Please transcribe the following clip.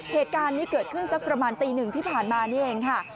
เหตุการณ์นี้เกิดขึ้นสักประมาณตีหนึ่งที่ผ่านมานี่เองค่ะ